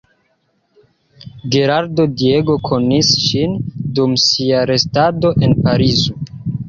Gerardo Diego konis ŝin dum sia restado en Parizo.